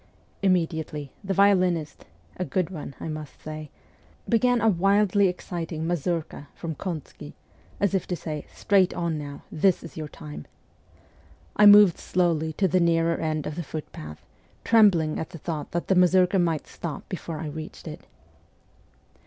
Immediately, the violinist a good one, I must say began a wildly exciting mazurka from Kontsky, as if THE ESCAPE 173 to say, ' Straight on now this is your time !' I moved slowly to the nearer end of the footpath, trembling at the thought that the mazurka might stop before I reached it.